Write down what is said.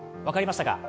分かりました。